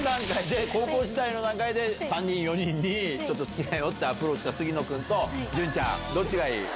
高校時代の段階で３４人に好きだよってアプローチした杉野君と潤ちゃんどっちがいい？